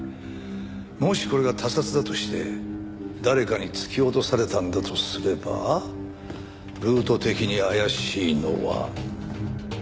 もしこれが他殺だとして誰かに突き落とされたんだとすればルート的に怪しいのは。